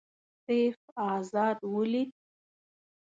سیف آزاد ولید.